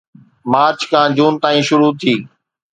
march کان June تائين شروع ٿي